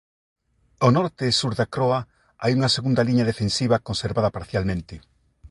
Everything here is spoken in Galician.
Ao norte e sur da croa hai unha segunda liña defensiva conservada parcialmente.